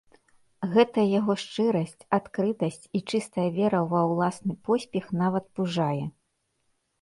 Гэтая яго шчырасць, адкрытасць і чыстая вера ва ўласны поспех нават пужае.